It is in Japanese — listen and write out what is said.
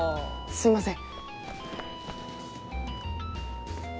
すいません。